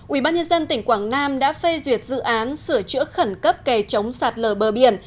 ubnd tỉnh quảng nam đã phê duyệt dự án sửa chữa khẩn cấp kè chống sạt lở bờ biển